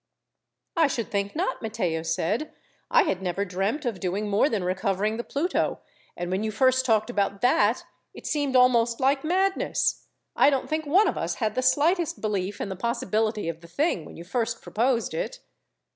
"I should think not," Matteo said. "I had never dreamt of doing more than recovering the Pluto, and when you first talked about that, it seemed almost like madness. I don't think one of us had the slightest belief in the possibility of the thing, when you first proposed it."